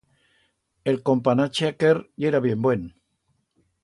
El companache aquer yera bien buen.